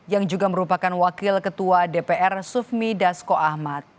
yang juga merupakan wakil ketua dpr sufmi dasko ahmad